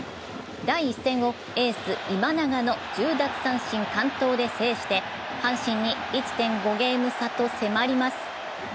第１戦をエース・今永の１０奪三振完投で制して、阪神に１．５ゲーム差と迫ります。